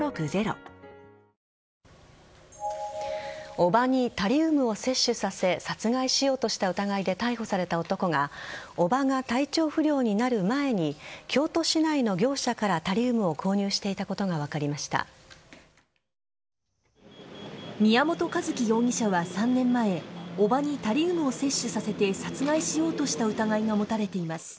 叔母にタリウムを摂取させ殺害しようとした疑いで逮捕された男が叔母が体調不良になる前に京都市内の業者からタリウムを購入していたことが宮本一希容疑者は３年前叔母にタリウムを摂取させて殺害しようとした疑いが持たれています。